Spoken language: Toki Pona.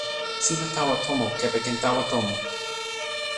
sina tawa tomo kepeken tawa tomo.